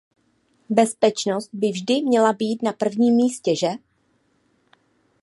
Bezpečnost by vždy měla být na prvním místě, že?